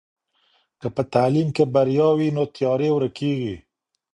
که په تعلیم کې بریا وي نو تیارې ورکېږي.